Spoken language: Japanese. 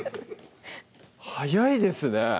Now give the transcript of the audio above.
⁉早いですね